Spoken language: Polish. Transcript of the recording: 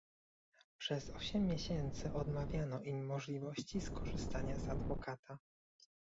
Przez osiem miesięcy odmawiano im możliwości skorzystania z adwokata